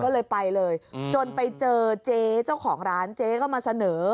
ก็เลยไปเลยจนไปเจอเจ๊เจ้าของร้านเจ๊ก็มาเสนอ